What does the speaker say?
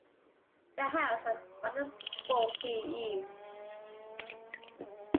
The house has rather bulky eaves.